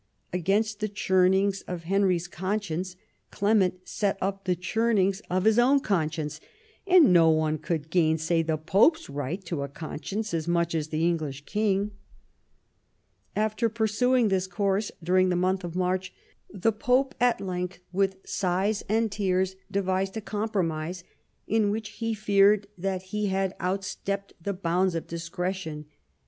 ^, Against the chumings of Henry's conscience Clement set up the chumings of his own conscience, and no one could gainsay the Pope's right to a conscience as much as the English king. After pursuing this course during the month of March the Pope at length with sighs and tears devised a compromise, in which he feared that he had outstepped the bounds of discretion.